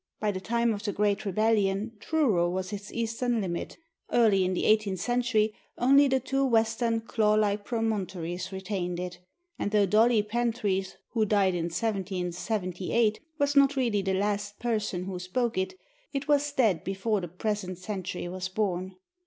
By the time of the Great Rebellion Truro was its eastern limit; early in the eighteenth century only the two western claw like promontories retained it; and though Dolly Pentreath, who died in 1778, was not really the last person who spoke it, it was dead before the present century was born.